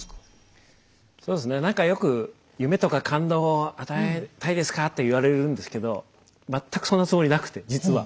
そうですね何かよく夢とか感動を与えたいですかっていわれるんですけど全くそんなつもりなくて実は。